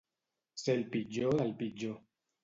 Ser el pitjor del pitjor.